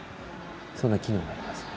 そんな機能があります。